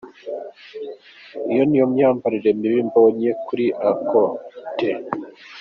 iyi niyo myambarire mibi mbonye kuri Akothee.